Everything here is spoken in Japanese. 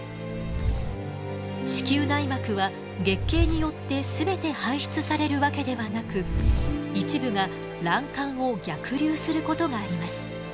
子宮内膜は月経によって全て排出されるわけではなく一部が卵管を逆流することがあります。